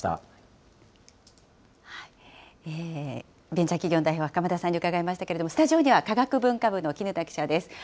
ベンチャー企業の代表、袴田さんに伺いましたけれども、スタジオには、科学文化部の絹田記者です。